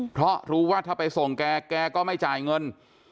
เพราะรู้ว่าถ้าไปส่งแกแกก็ไม่จ่ายเงิน